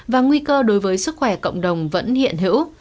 và nguy cơ đối với sức khỏe